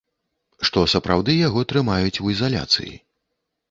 Што сапраўды яго трымаюць у ізаляцыі.